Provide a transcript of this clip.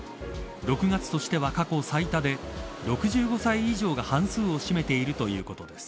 ６月としては過去最多で６５歳以上が半数を占めているということです。